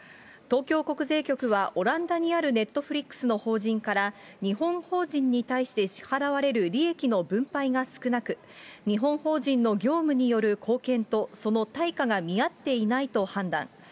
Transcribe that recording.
東京国税局は、オランダにあるネットフリックスの法人から、日本法人に対して支払われる利益の分配が少なく、日本法人の業務による貢献とその対価が見合っていないと判断。